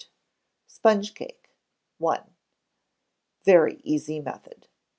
Sponge Cake (1). (Very Easy Method.)